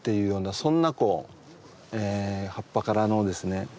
そんなこう葉っぱからのですね